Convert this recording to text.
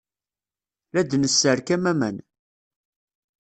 La d-nesserkam aman.